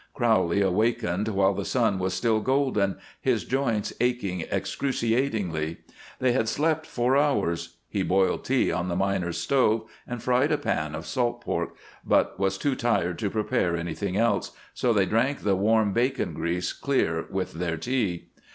Crowley awakened while the sun was still golden; his joints aching excruciatingly. They had slept four hours. He boiled tea on the miners' stove and fried a pan of salt pork, but was too tired to prepare anything else, so they drank the warm bacon grease clear with their tea.